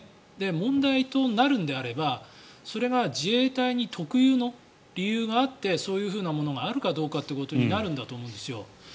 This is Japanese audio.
問題となるのであればそれが自衛隊に特有の理由があってそういうふうなものがあるかどうかということになるんだと思うんですよ。